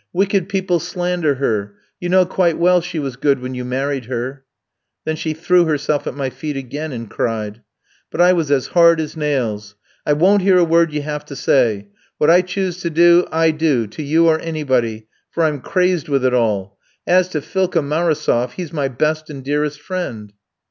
Wicked people slander her; you know quite well she was good when you married her.' Then she threw herself at my feet again and cried. But I was as hard as nails. 'I won't hear a word you have to say; what I choose to do, I do, to you or anybody, for I'm crazed with it all. As to Philka Marosof, he's my best and dearest friend.'"